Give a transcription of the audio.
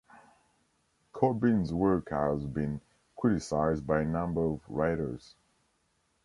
Corbin's work has been criticized by a number of writers.